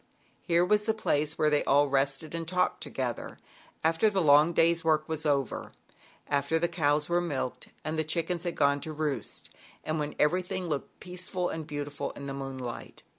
Here was the place where they all rested and talked together after the long day's work was over, after the cows were milked and the chickens had gone to roost, and when everything looked peaceful and beautiful in the moonlight.